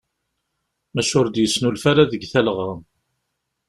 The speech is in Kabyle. Maca ur d-yesnulfa ara deg talɣa.